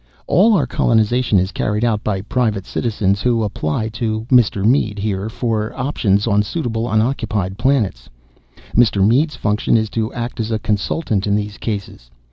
"All our colonization is carried out by private citizens who apply to Mr. Mead, here, for options on suitable unoccupied planets. Mr. Mead's function is to act as a consultant in these cases.